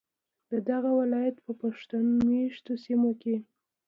ددغه ولایت په پښتون میشتو سیمو کې